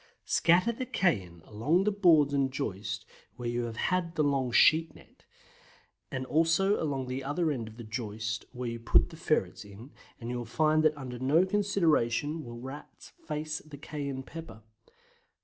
Scatter the cayenne along the boards and joist where you have had the long sheet net, and also along the other end of the joist where you put the ferrets in, and you will find that under no consideration will Rats face the cayenne pepper.